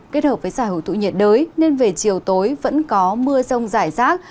kết hợp với giả hữu tụ nhiệt đới nên về chiều tối vẫn có mưa rông rải rác